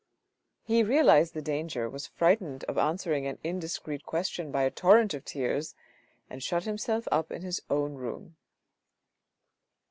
He realised the danger, was frightened of answering an indiscreet question by a torrent of tears, and shut himself up in his own room.